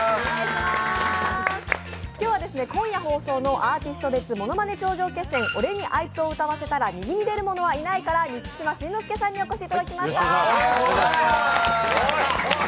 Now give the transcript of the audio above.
今日は今夜放送の「アーティスト別モノマネ頂上決戦俺にアイツを歌わせたら右に出るものはいない」から満島真之介さんにお越しいただきました。